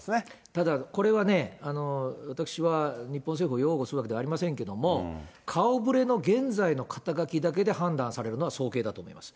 ただ、これはね、私は日本政府を擁護するわけではありませんけども、顔ぶれの現在の肩書だけで判断されるのは早計だと思います。